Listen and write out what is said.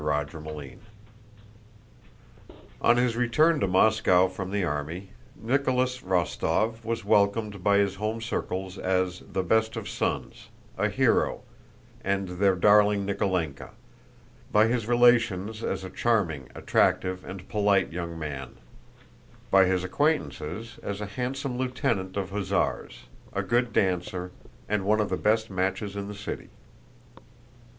CHAPTER II On his return to Moscow from the army, Nicholas Rostóv was welcomed by his home circle as the best of sons, a hero, and their darling Nikólenka; by his relations as a charming, attractive, and polite young man; by his acquaintances as a handsome lieutenant of hussars, a good dancer, and one of the best matches in the city.